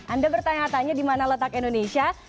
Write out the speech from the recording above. anda bertanya tanya di mana letak indonesia